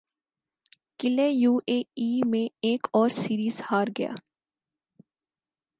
قلعے U A E میں ایک اور سیریز ہار گیا